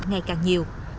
ngày càng nhiều